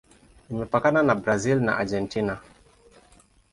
Imepakana na Brazil na Argentina.